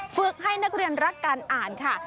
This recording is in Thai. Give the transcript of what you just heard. ฝึกให้นักเรียนรักการอ่านค่ะ